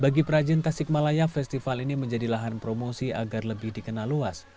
bagi perajin tasikmalaya festival ini menjadi lahan promosi agar lebih dikenal luas